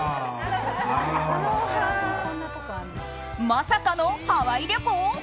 まさかのハワイ旅行？